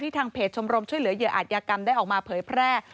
ทางเพจชมรมช่วยเหลือเหยื่ออาจยากรรมได้ออกมาเผยแพร่